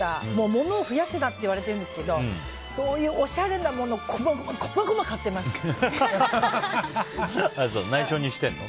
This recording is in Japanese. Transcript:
物を増やすなって言われてるんですけどそういうおしゃれなものを内緒にしてんの？